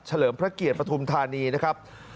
เลิมพระเกียรติปฐุมธานีนะครับ